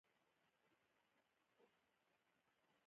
د سټلایټ انتن قوي نښه نیسي.